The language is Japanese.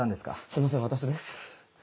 すいません私です。